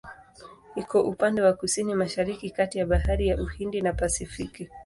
Iko upande wa Kusini-Mashariki kati ya Bahari ya Uhindi na Pasifiki.